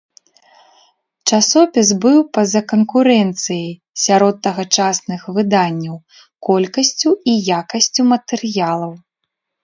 Часопіс быў па-за канкурэнцыяй, сярод тагачасных выданняў, колькасцю і якасцю матэрыялаў.